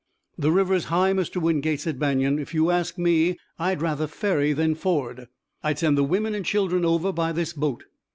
"The river's high, Mr. Wingate," said Banion. "If you ask me, I'd rather ferry than ford. I'd send the women and children over by this boat.